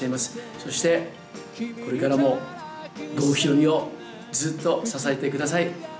そして、これからも郷ひろみをずっと支えてください。